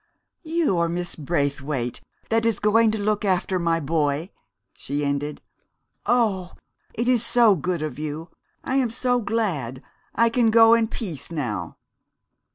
"And you are Miss Braithwaite, that is going to look after my boy?" she ended. "Oh, it is so good of you I am so glad I can go in peace now.